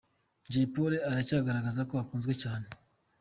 Jay Polly aracyagaragaza ko akunzwe cyane.